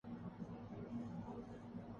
میں اپنے دوست کے ساتھ بازار گیا